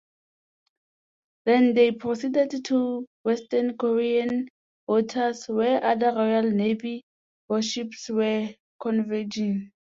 Then they proceeded to western Korean waters, where other Royal Navy warships were converging.